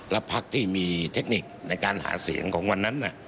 แล้วพักที่มีเทคนิคในการหาเสียงของวันนั้น